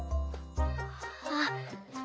「あっ。